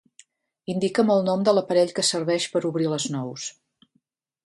Indica'm el nom de l'aparell que serveix per obrir les nous.